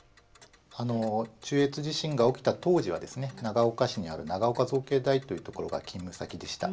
あの中越地震が起きた当時は長岡市にある長岡造形大というところが勤務先でした。